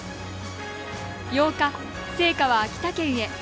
８日、聖火は秋田県へ。